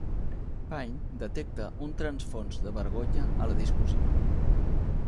Pyne detecta un transfons de vergonya a la discussió.